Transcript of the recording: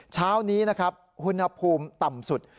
เช้านี้นะครับอุณหภูมิต่ำสุด